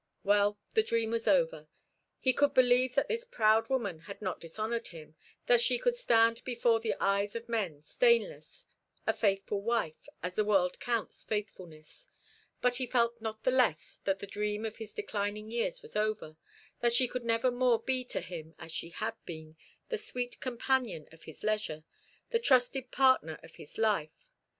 Well, the dream was over. He could believe that this proud woman had not dishonoured him, that she could stand before the eyes of men stainless, a faithful wife, as the world counts faithfulness. But he felt not the less that the dream of his declining years was over that she could never more be to him as she had been, the sweet companion of his leisure, the trusted partner of his life.